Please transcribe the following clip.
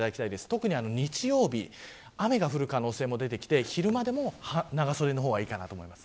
特に日曜日雨が降る可能性も出てきて昼間も長袖のほうがいいと思います。